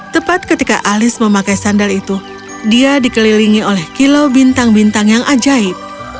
tepat ketika alice memakai sandal itu dia dikelilingi oleh kilau bintang bintang yang ajaib